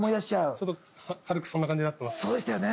ちょっと軽くそんな感じになってますそうでしたよね